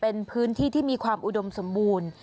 เป็นพื้นที่ที่มีความอุดมสมบูรณ์